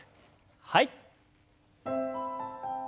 はい。